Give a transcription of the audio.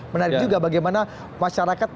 menarik juga bagaimana masyarakat